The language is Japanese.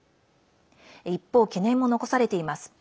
一方、懸念も残されています。